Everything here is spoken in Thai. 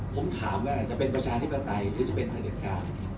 ผมถามว่าจะเป็นประชาธิปไตยหรือจะเป็นพระเด็จการ